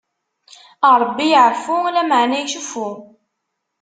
Ṛebbi iɛeffu, lameɛna iceffu.